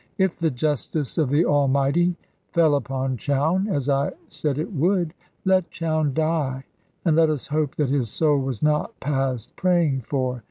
If the justice of the Almighty fell upon Chowne as I said it would let Chowne die, and let us hope that his soul was not past praying for.